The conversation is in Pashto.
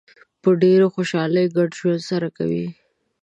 په ډېرې خوشحالۍ ګډ ژوند سره کوي.